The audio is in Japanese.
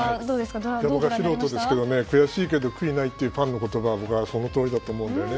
ど素人ですけど悔しいけど悔いがないというファンの言葉はそのとおりだと僕は思いますね。